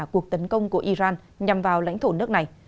cuộc tấn công của iran nhằm vào lãnh thổ nước này